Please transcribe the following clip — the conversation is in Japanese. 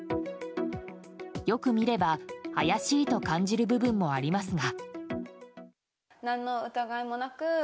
よく見れば、怪しいと感じる部分もありますが。